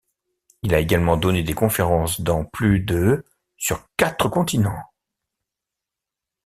Il a également donné des conférences dans plus de sur quatre continents.